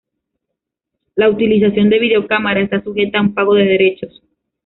La utilización de videocámara está sujeta a un pago de derechos